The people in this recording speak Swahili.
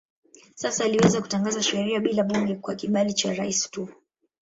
Sasa aliweza kutangaza sheria bila bunge kwa kibali cha rais tu.